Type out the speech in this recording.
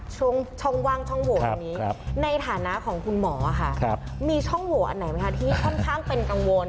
ช่องว่างช่องโหวตอันนี้ในฐานะของคุณหมอค่ะมีช่องโหวตอันไหนไหมคะที่ค่อนข้างเป็นกังวล